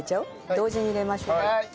同時に入れましょう。